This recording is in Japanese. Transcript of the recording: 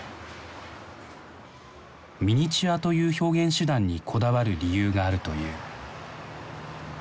ミニチュアという表現手段にこだわる理由があるという。